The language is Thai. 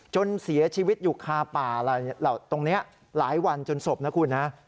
จนเสียชีวิตอยู่คาป่าตรงนี้หลายวันจนศพนะคุณนะ